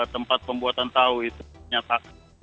tempat pembuatan tahu itu nyata